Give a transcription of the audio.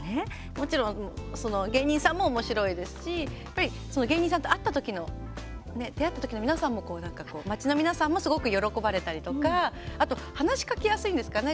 もちろん芸人さんもおもしろいですしその芸人さんと会った時の出会った時の皆さんもなんかこう、町の皆さんもすごく喜ばれたりとかあと、話しかけやすいんですかね。